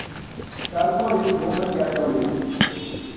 Turco is Roman Catholic.